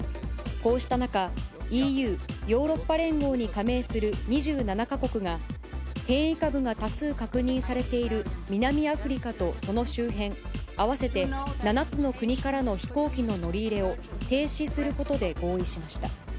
こうした中、ＥＵ・ヨーロッパ連合に加盟する２７か国が、変異株が多数確認されている南アフリカとその周辺合わせて７つの国からの飛行機の乗り入れを、停止することで合意しました。